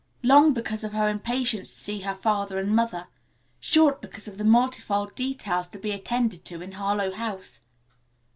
Long because of her impatience to see her father and mother, short because of the multifold details to be attended to in Harlowe House.